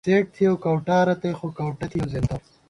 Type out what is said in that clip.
څېڈ تھِیَؤ کؤٹا رتئ خو کؤٹہ بی زېنتہ تِھیَؤ